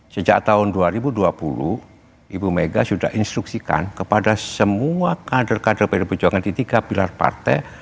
sejak tahun dua ribu dua puluh ibu mega sudah instruksikan kepada semua kader kader pdi perjuangan di tiga pilar partai